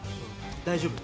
大丈夫。